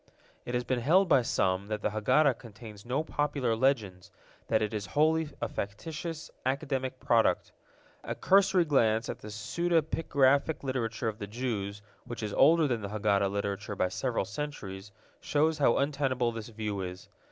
It has been held by some that the Haggadah contains no popular legends, that it is wholly a factitious, academic product. A cursory glance at the pseudepigraphic literature of the Jews, which is older than the Haggadah literature by several centuries, shows how untenable this view is.